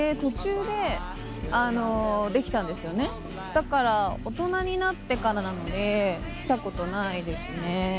だから大人になってからなので来たことないですね。